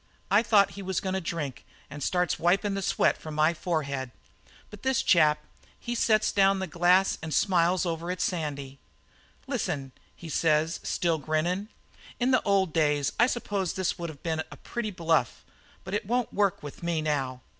I thought he was goin' to drink, and starts wipin' the sweat off'n my forehead. "But this chap, he sets down the glass and smiles over to Sandy. "'Listen,' he says, still grinnin', 'in the old days I suppose this would have been a pretty bluff, but it won't work with me now.